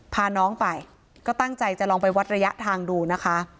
พาน้องไปก็ตั้งใจจะลองไปวัดระยะทางดูนะคะ